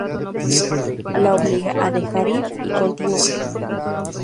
La obliga a dejar ir y continúa.